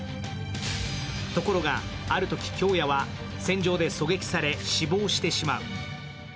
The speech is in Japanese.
ところが、あるとき、恭弥は戦場で狙撃され、死亡してしまう。